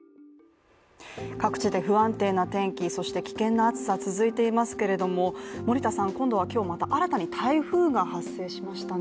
各地で不安定な天気危険な暑さ続いていますけども森田さん、今度は今日また新たに台風が発生しましたね。